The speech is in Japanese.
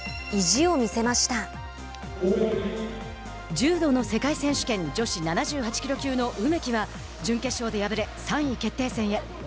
柔道の世界選手権女子７８キロ級の梅木は準決勝で敗れ、３位決定戦へ。